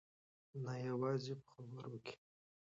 نه یوازې په خبرو کې.